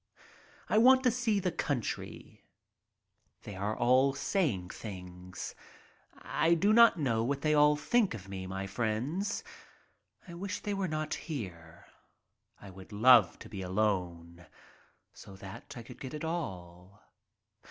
I want to see the country. They are all saying things. I do not know what they all think of me, my friends. I wish they were not here. I would love to be alone so that I could get it all.